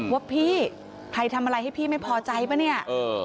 ว่าพี่ใครทำอะไรให้พี่ไม่พอใจป่ะเนี่ย